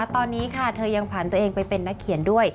ตอนนี้ค่ะเธอยังผ่านตัวเองไปเป็นนักเขียนด้วย